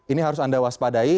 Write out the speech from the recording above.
ini harus anda waspadai